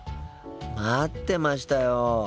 待ってましたよ。